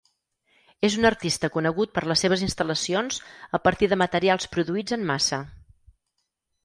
És un artista conegut per les seves instal·lacions a partir de materials produïts en massa.